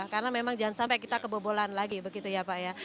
karena memang jangan sampai kita kebobolan lagi begitu ya pak ya